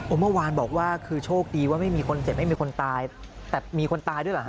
เมื่อวานบอกว่าคือโชคดีว่าไม่มีคนเจ็บไม่มีคนตายแต่มีคนตายด้วยเหรอฮ